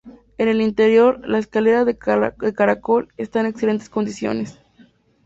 En el interior, la escalera de caracol está en excelentes condiciones.